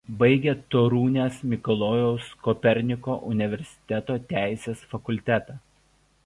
Baigė Torunės Mikalojaus Koperniko universiteto Teisės fakultetą.